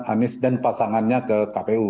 anies dan pasangannya ke kpu